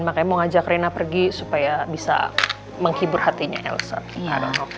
makanya mau ngajak rena pergi supaya bisa menghibur hatinya elsa